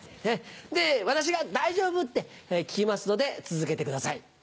で私が「大丈夫？」って聞きますので続けてください。